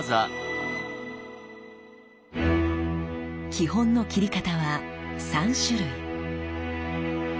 基本の斬り方は３種類。